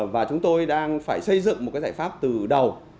và chúng tôi đang phải xây dựng một cái giải pháp từ đầu